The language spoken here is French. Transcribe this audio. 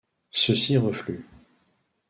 Ceux-ci refluent.